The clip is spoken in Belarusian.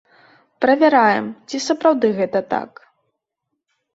Правяраем, ці сапраўды гэта так.